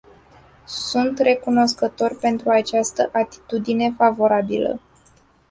Sunt recunoscător pentru această atitudine favorabilă.